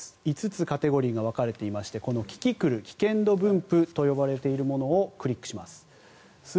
５つカテゴリーが分かれていましてこのキキクル危険度分布と呼ばれているものをクリックします。